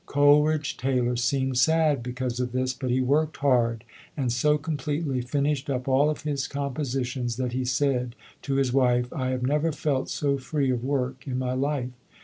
Coleridge Taylor seemed sad because of this, but he worked hard and so completely finished up all of his composi tions that he said to his wife, "I have never felt so free of work in my life".